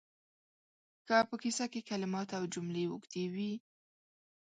که په کیسه کې کلمات او جملې اوږدې وي